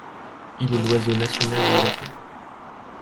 Il est l'oiseau national du Japon.